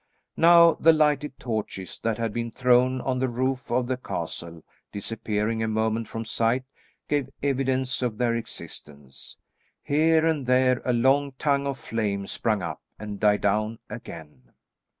Now the lighted torches that had been thrown on the roof of the castle, disappearing a moment from sight, gave evidence of their existence. Here and there a long tongue of flame sprung up and died down again.